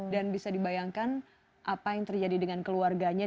dan bisa dibayangkan apa yang terjadi dengan keluarganya